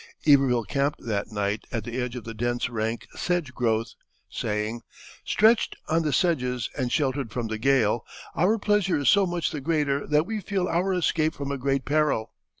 Iberville camped that night at the edge of the dense rank sedge growth, saying: "Stretched on the sedges and sheltered from the gale, our pleasure is so much the greater that we feel our escape from a great peril.